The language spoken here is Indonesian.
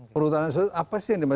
perhutanan sosial apa sih yang dimak